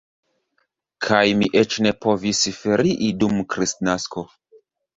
Kaj mi eĉ ne povis ferii dum Kristnasko.